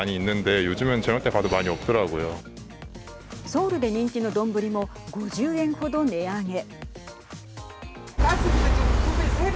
ソウルで人気の丼も５０円ほど値上げ。